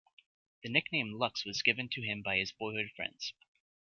The nickname "Lux" was given to him by his boyhood friends.